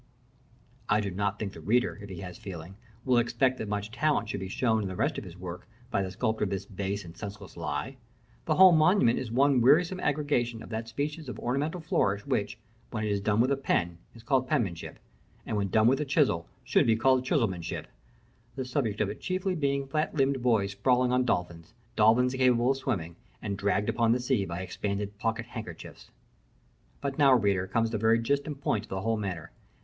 I do not think the reader, if he has feeling, will expect that much talent should be shown in the rest of his work, by the sculptor of this base and senseless lie. The whole monument is one wearisome aggregation of that species of ornamental flourish, which, when it is done with a pen, is called penmanship, and when done with a chisel, should be called chiselmanship; the subject of it being chiefly fat limbed boys sprawling on dolphins, dolphins incapable of swimming, and dragged along the sea by expanded pocket handkerchiefs. But now, reader, comes the very gist and point of the whole matter.